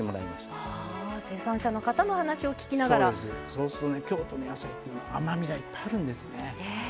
そうすると京都の野菜って甘みがいっぱいあるんですね。